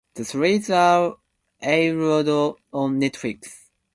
The series aired on Netflix.